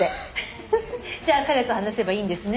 フフフ「じゃあ彼と話せばいいんですね」